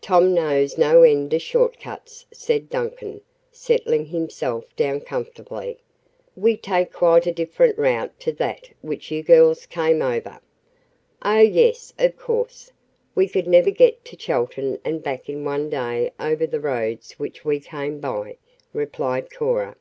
"Tom knows no end of short cuts," said Duncan, settling himself down comfortably. "We take quite a different route to that which you girls came over." "Oh, yes, of course. We could never get to Chelton and back in one day over the roads which we came by," replied Cora.